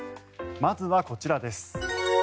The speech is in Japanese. まずはこちらです。